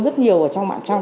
rất nhiều ở trong mạng trong